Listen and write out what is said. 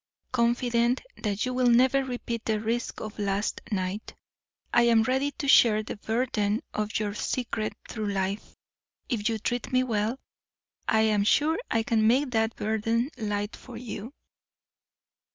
Confident that you will never repeat the risk of last night, I am ready to share the burden of your secret through life. If you treat me well, I am sure I can make that burden light for you."